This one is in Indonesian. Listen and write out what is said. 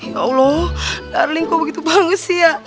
ya allah darling kok begitu bangus ya